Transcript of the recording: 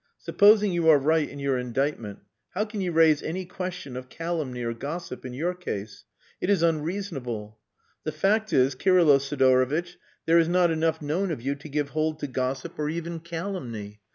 "Supposing you are right in your indictment, how can you raise any question of calumny or gossip, in your case? It is unreasonable. The fact is, Kirylo Sidorovitch, there is not enough known of you to give hold to gossip or even calumny.